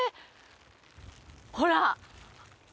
ほら！